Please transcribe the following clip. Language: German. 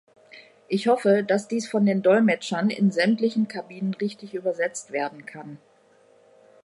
Ich hoffe, dass dies von den Dolmetschern in sämtlichen Kabinen richtig übersetzt werden kann.